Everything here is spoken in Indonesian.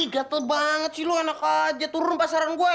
gatel banget sih lo anak aja turun pasaran gue